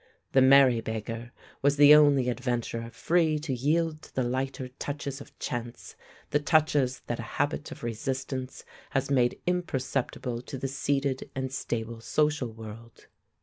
The merry beggar was the only adventurer free to yield to the lighter touches of chance, the touches that a habit of resistance has made imperceptible to the seated and stable social world.